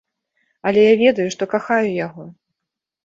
Але я ведаю, што кахаю яго!